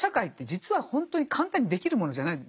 実は本当に簡単にできるものじゃない。